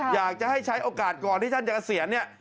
อยากจะให้ใช้โอกาสก่อนที่ท่านจะเกษียณเนี่ย